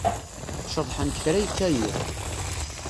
Ceḍḥent kra yekka yiḍ.